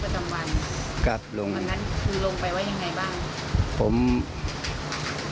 ตรงวันที่ประจำวันตอนนั้นคือลงไปว่าอย่างไรบ้าง